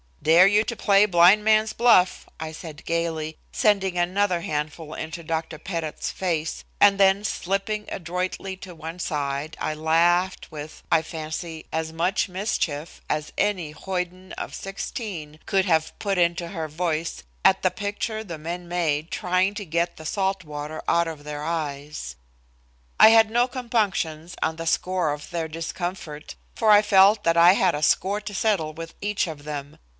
"Dare you to play blind man's buff," I said gayly, sending another handful into Dr. Pettit's face, and then slipping adroitly to one side I laughed with, I fancy, as much mischief as any hoyden of sixteen could have put into her voice, at the picture the men made trying to get the salt water out of their eyes. I had no compunctions on the score of their discomfort, for I felt that I had a score to settle with each of them.